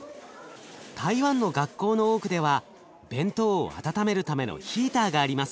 台湾の学校の多くでは弁当を温めるためのヒーターがあります。